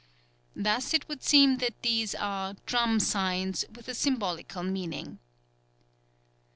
Thus it would seem that these are "Drum Signs" with a symbolical meaning.